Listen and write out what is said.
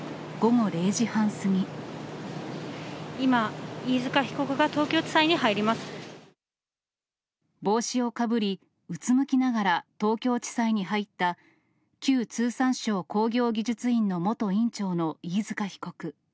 今、帽子をかぶり、うつむきながら東京地裁に入った、旧通産省工業技術院の元院長の飯塚被告。